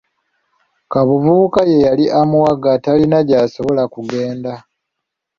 Kaabuvubuka ye yali amuwaga talina gy'asobola kugenda.